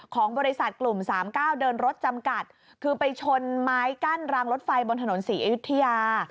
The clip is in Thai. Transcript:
ของบริษัทกลุ่มสามเก้าเดินรถจำกัดคือไปชนไม้กั้นรางรถไฟบนถนนศรีอยุธยา